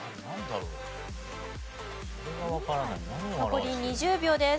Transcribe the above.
残り２０秒です。